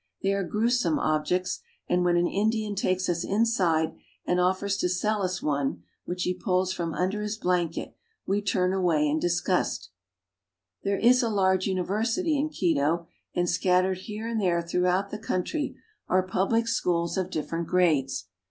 They are grewsome objects, and when an In dian takes us aside and offers to sell us one, which he pulls from under his blan ket, we turn away in disgust. There is a large university in Quito, and scattered here and there throughout the country are public schools of Water Carrier. 50 PERU. different grades.